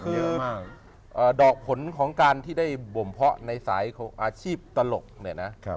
คือดอกผลของการที่ได้บ่มเพาะในสายอาชีพตลกเนี่ยนะ